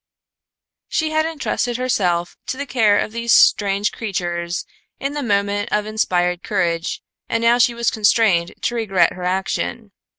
She had entrusted herself to the care of these strange creatures in the moment of inspired courage and now she was constrained to regret her action.